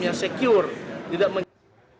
mereka sistem yang secure